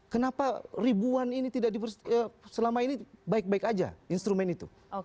kenapa ribuan ini tidak diper selama ini baik baik aja instrumen itu